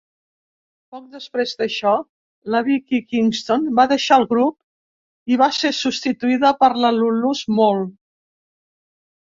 Poc després d'això, la Vicky Kingston va deixar el grup i va ser substituïda per la Lulu Small.